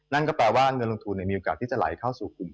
นั่นก็แปลว่าเงินลงทุนมีโอกาสที่จะไหลเข้าสู่กลุ่ม